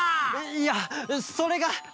いやそれが。